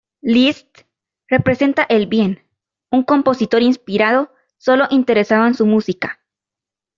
Liszt representa el bien: un compositor inspirado, solo interesado en su música.